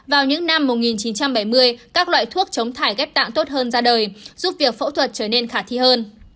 vào những năm một nghìn chín trăm bảy mươi các loại thuốc chống thải ghép tạng tốt hơn ra đời giúp việc phẫu thuật trở nên khả thi hơn